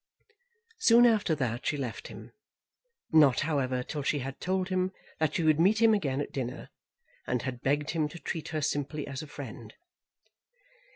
Soon after that she left him, not, however, till she had told him that she would meet him again at dinner, and had begged him to treat her simply as a friend.